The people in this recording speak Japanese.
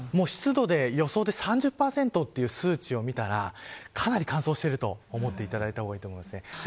湿度で予想で３０％という数値を見たらかなり乾燥していると思っていただいた方がいいと思います。